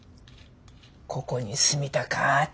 ここに住みたかっち。